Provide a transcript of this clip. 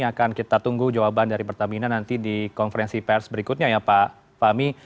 akan kita tunggu jawaban dari pertamina nanti di konferensi pers berikutnya ya pak fahmi